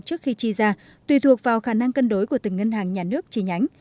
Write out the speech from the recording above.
trước khi chi ra tùy thuộc vào khả năng cân đối của từng ngân hàng nhà nước chi nhánh